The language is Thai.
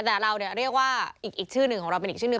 แต่เราเนี่ยเรียกว่าอีกชื่อหนึ่งของเราเป็นอีกชื่อหนึ่ง